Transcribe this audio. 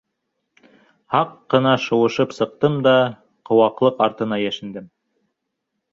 Һаҡ ҡына шыуышып сыҡтым да ҡыуаҡлыҡ артына йәшендем.